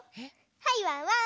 はいワンワン。